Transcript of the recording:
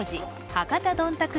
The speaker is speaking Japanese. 博多どんたく